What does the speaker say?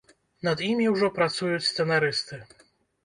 Над імі ўжо працуюць сцэнарысты.